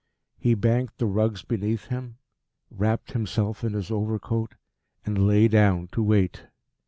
He banked the rugs behind him, wrapped himself in his overcoat, and lay down to wait.